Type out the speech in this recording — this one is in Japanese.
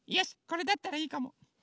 これだったらいいかも。